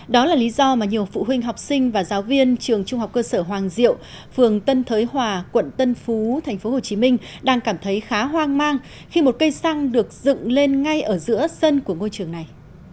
đó là lý do mà nhiều phụ huynh học sinh và giáo viên trường trung học cơ sở hoàng diệu phường tân thới hòa quận tân phú tp hcm đang cảm thấy khá hoang mang khi một cây xăng được dựng lên ngay ở giữa sân của ngôi trường này